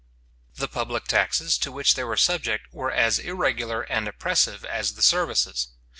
The public taxes, to which they were subject, were as irregular and oppressive as the services.